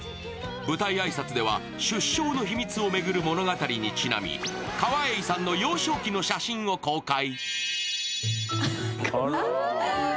舞台挨拶では出生の秘密を巡る物語にちなみ、川栄さんの幼少期の写真を公開。